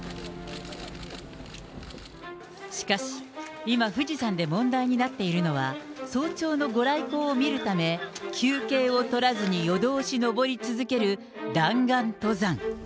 しかし、今富士山で問題になっているのは、早朝のご来光を見るため、休憩をとらずに夜通し登り続ける弾丸登山。